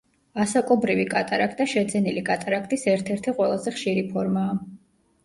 ასაკობრივი კატარაქტა შეძენილი კატარაქტის ერთ-ერთი ყველაზე ხშირი ფორმაა.